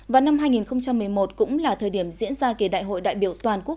và năm hai nghìn một mươi một cũng là thời điểm diễn ra kỳ đại hội đại biểu toàn quốc